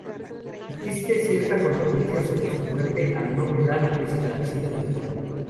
Existe cierta controversia sobre su muerte al no quedar esclarecida del todo.